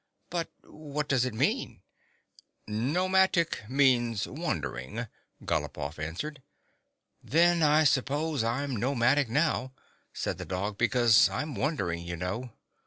" But what does it mean ?"" Nomadic means wandering," Galopoff an swered. "Then I suppose I 'm nomadic now?" said the dog, " because I 'm wandering, you know."